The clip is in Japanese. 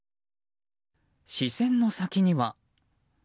視線の先には。